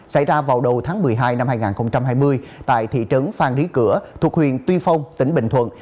xảy ra vào đầu tháng một mươi hai năm hai nghìn hai mươi tại thị trấn phan lý cửa thuộc huyện tuy phong tỉnh bình thuận